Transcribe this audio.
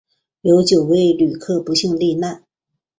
有九位旅客不幸罹难